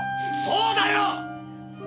そうだよ！